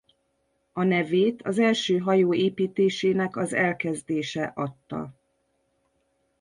A nevét az első hajó építésének az elkezdése adta.